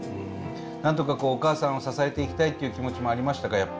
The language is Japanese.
何とかこうお母さんを支えていきたいという気持ちもありましたか？